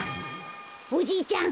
おじいちゃん